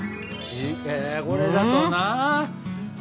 えこれだとな。